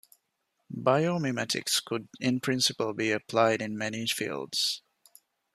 Biomimetics could in principle be applied in many fields.